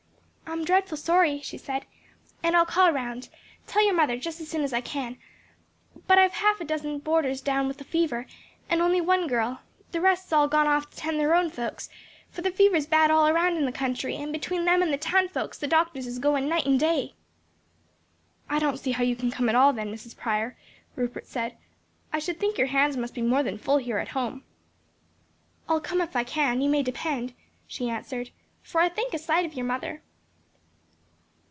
"I'm dreadful sorry;" she said, "and I'll call round, tell your mother, just as soon as I can; but I've half a dozen boarders down with the fever, and only one girl; the rest's all gone off to 'tend to their own folks; for the fever's bad all round in the country; and between them and the town folks the doctors is goin' night and day." "I don't see how you can come at all then, Mrs. Prior," Rupert said, "I should think your hands must be more than full here at home." "I'll come if I can, you may depend," she answered, "for I think a sight of your mother."